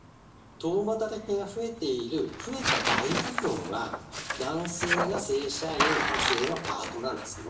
共働きが増えている、増えた大部分は、男性が正社員、女性がパートなんですね。